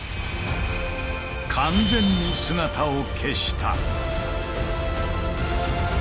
完全に姿を消した。